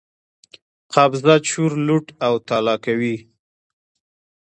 قبضه، چور، لوټ او تالا کوي.